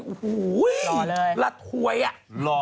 โอ้โหละถวยอะ